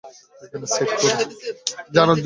এখানেই সাইড করো।